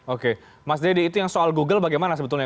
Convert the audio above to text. oke mas dede itu yang soal google bagaimana sebetulnya